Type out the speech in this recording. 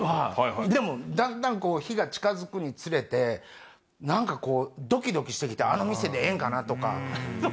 でもだんだん日が近づくにつれて何かドキドキして来てあの店でええんかな？とか。